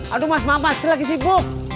aduh mas maaf mas saya lagi sibuk